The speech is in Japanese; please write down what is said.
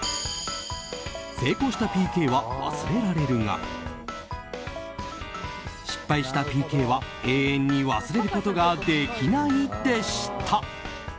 成功したＰＫは忘れられるが失敗したＰＫは、永遠に忘れることができないでした。